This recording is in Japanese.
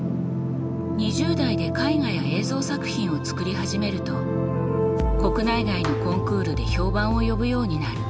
２０代で絵画や映像作品を作り始めると国内外のコンクールで評判を呼ぶようになる。